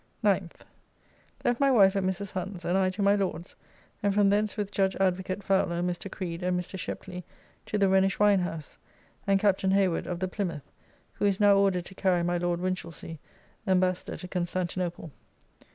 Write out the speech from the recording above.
9th. Left my wife at Mrs. Hunt's and I to my Lord's, and from thence with judge Advocate Fowler, Mr. Creed, and Mr. Sheply to the Rhenish Wine house, and Captain Hayward of the Plymouth, who is now ordered to carry my Lord Winchelsea, Embassador to Constantinople.